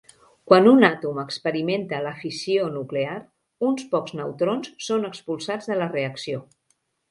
Quan un àtom experimenta la fissió nuclear, uns pocs neutrons són expulsats de la reacció.